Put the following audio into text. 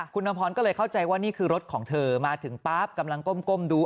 คุณอำพรก็เลยเข้าใจว่านี่คือรถของเธอมาถึงปั๊บกำลังก้มดู